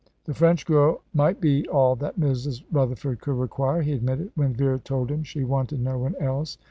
The French girl might be all that Mrs. Rutherford could require, he admitted, when Vera told him she wanted no one else.